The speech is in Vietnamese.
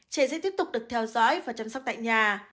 trẻ sẽ tiếp tục được theo dõi và chăm sóc tại nhà